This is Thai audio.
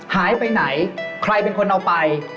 หายไปไหนใครเป็นคนเอาไป